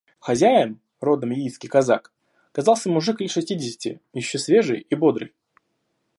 Хозяин, родом яицкий казак, казался мужик лет шестидесяти, еще свежий и бодрый.